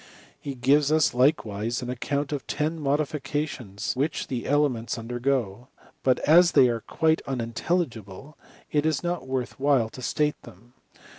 He gives ns likewise an account of ten modifications which the three elements undergo ; but as they are quite unintelligible, it is not worth while to state them.